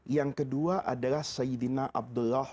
yang kedua adalah sayyidina abdullah